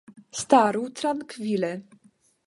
Staru trankvile!